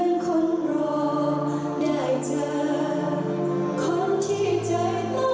คนที่ใจต้องรักกว่าดีเผิน